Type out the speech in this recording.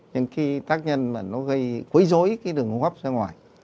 nhưng khi tác nhân mà nó gây quấy dối cái đường hốp ra ngoài